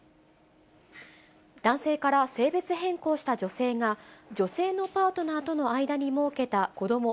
男性から性別変更した女性が、女性のパートナーとの間にもうけた子ども